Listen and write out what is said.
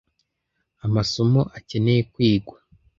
amasomo akeneye kwigwa